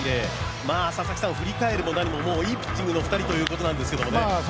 佐々木さん、振り返るもなにも、いいピッチングの２人というところなんですけどね。